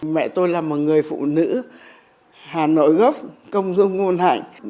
mẹ tôi là một người phụ nữ hà nội gấp công dung ngôn hạnh